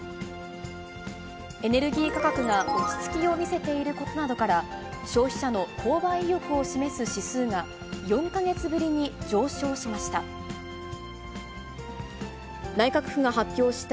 エネルギー価格が落ち着きを見せていることなどから、消費者の購買意欲を示す指数が４か月ぶりに上昇しました。